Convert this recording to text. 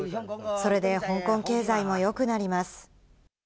それで香港経済もよくなります。